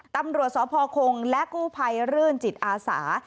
ตำรวจสพคงและกู้ภัยรื่นจิตอาสา